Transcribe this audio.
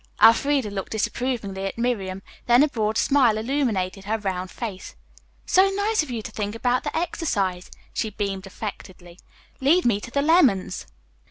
Elfreda looked disapprovingly at Miriam, then a broad smile illuminated her round face. "So nice of you to think about the exercise," she beamed affectedly. "Lead me to the lemons."